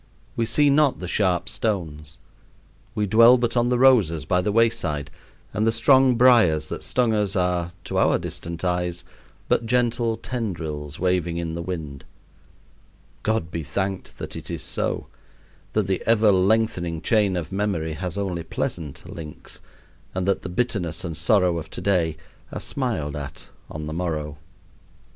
We see not the sharp stones. We dwell but on the roses by the wayside, and the strong briers that stung us are, to our distant eyes, but gentle tendrils waving in the wind. God be thanked that it is so that the ever lengthening chain of memory has only pleasant links, and that the bitterness and sorrow of to day are smiled at on the morrow.